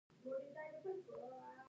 ایا زه باید شیرپیره وخورم؟